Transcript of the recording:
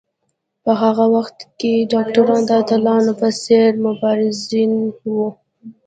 په هغه وخت کې ډاکټران د اتلانو په څېر مبارزین وو.